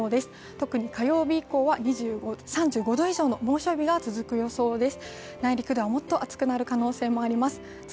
特に火曜日以降は３５度以上の猛暑日が続く予想です。